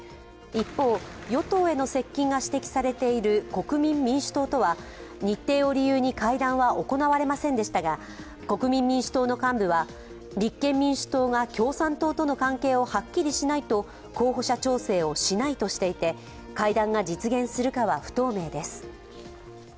一方、与党への接近が指摘されている国民民主党とは日程を理由に会談は行われませんでしたが国民民主党の幹部は、立憲民主党が共産党との関係をはっきりしないと候補者調整をしないとしていて、会談が実現するかは不透明です。